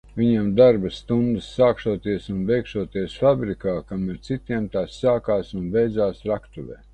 Viņam darba stundas sākšoties un beigšoties fabrikā, kamēr citiem tās sākās un beidzās raktuvē.